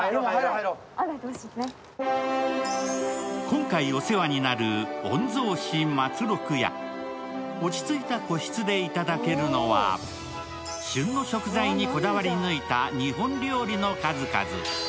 今回お世話になる御曹司松六家落ち着いた個室で頂けるのは、旬の食材にこだわり抜いた日本料理の数々。